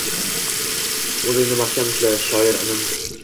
O‘zingni mahkam ushla, shoir inim!»